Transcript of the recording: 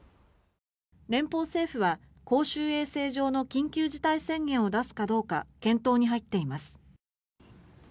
連邦政府は、公衆衛生上の緊急事態宣言を出すかどうか検討に入っています。